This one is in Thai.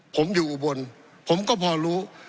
ผมอยู่อุบลผมก็พอรู้